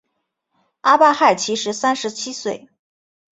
阿巴亥其时三十七岁。